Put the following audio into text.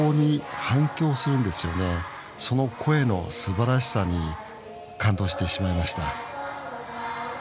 その声のすばらしさに感動してしまいました。